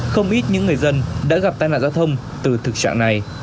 không ít những người dân đã gặp tai nạn giao thông từ thực trạng này